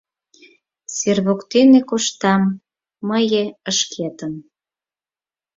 Сер воктене коштам мые шкетын